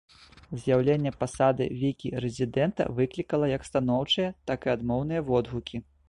З'яўленне пасады вікі-рэзідэнта выклікала як станоўчыя, так і адмоўныя водгукі.